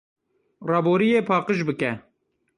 Raboriyê paqij bike.